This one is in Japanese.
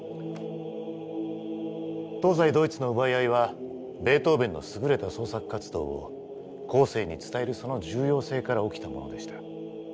東西ドイツの奪い合いはベートーヴェンの優れた創作活動を後世に伝えるその重要性から起きたものでした。